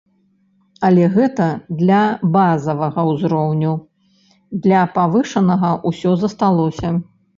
Але гэта для базавага ўзроўню, для павышанага ўсё засталося.